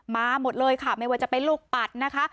มาหมดเลยค่ะไม่ว่าจะเป็นลูกปัดนะคะ